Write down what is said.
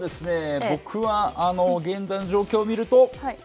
僕は、現在の状況を見ると。